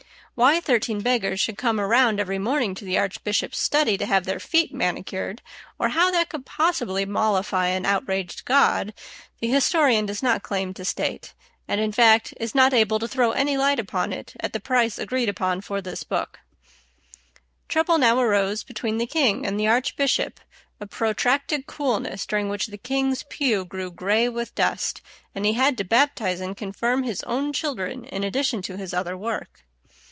Why thirteen beggars should come around every morning to the archbishop's study to have their feet manicured, or how that could possibly mollify an outraged God, the historian does not claim to state, and, in fact, is not able to throw any light upon it at the price agreed upon for this book. [Illustration: A COOLNESS BETWEEN THE KING AND THE ARCHBISHOP.] Trouble now arose between the king and the archbishop; a protracted coolness, during which the king's pew grew gray with dust, and he had to baptize and confirm his own children in addition to his other work.